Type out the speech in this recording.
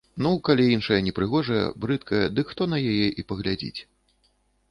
Ну, калі іншая непрыгожая, брыдкая, дык хто на яе і паглядзіць.